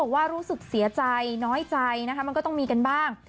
ว่ารู้สึกเสียใจน้อยใจนะคะมันก็ต้องมีกันบ้าง